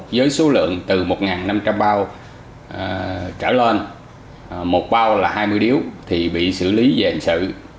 với số lượng từ một năm trăm linh bao trở lên một bao là hai mươi điếu thì bị xử lý về hình sự